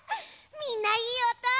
みんないいおと！